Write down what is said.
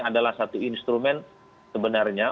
adalah satu instrumen sebenarnya